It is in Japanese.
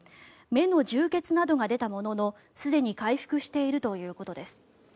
目の充血などが出たもののすでに回復しているということです。